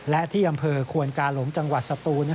และที่อำเภอควนกาหลงจังหวัดสตูน